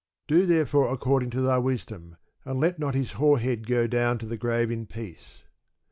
Do therefore according to thy wisdom, and let not his hoar head go down to the grave in peace.